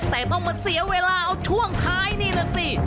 แต่ต้องมาเสียเวลาเอาช่วงท้ายนี่แหละสิ